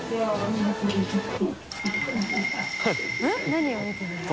何を見てるの？